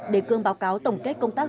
đề cương báo cáo tổng kết công tác